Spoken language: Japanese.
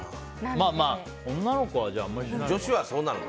女の子はあまりしないのか。